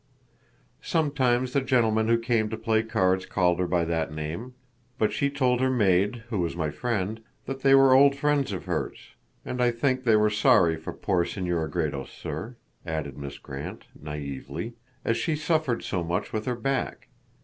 "Sometimes the gentlemen who came to play cards called her by that name. But she told her maid, who was my friend, that they were old friends of hers. And I think they were sorry for poor Senora Gredos, sir," added Miss Grant, naively, "as she suffered so much with her back.